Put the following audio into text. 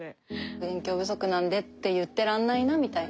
勉強不足なんでって言ってらんないなみたいな。